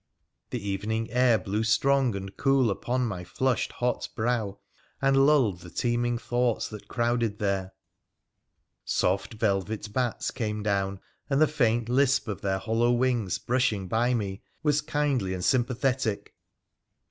The evening air blew strong and cool upon my flushed, hot brow, and lulled the teeming thoughts that crowded there. Soft velvet bats came down, and the faint lisp of their hollow wings brushing by me was kindly and sympathetic.